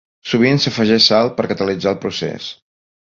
Sovint s'afegeix sal per catalitzar el procés.